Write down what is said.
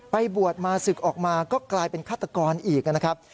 บวชมาศึกออกมาก็กลายเป็นฆาตกรอีกนะครับ